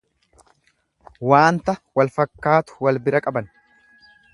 Waanta walfakkaatu wal bira qaban.